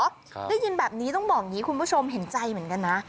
ได้ยินแบบนี้ต้องบอกอย่างนี้คุณผู้ชมเห็นใจเหมือนกันนะ